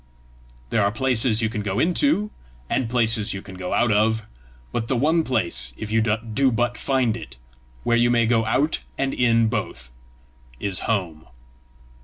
There are places you can go into, and places you can go out of; but the one place, if you do but find it, where you may go out and in both, is home."